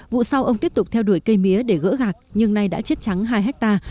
vụ sau ông tiếp tục theo đuổi cây mía để gỡ gạc nhưng nay đã chết trắng hai hectare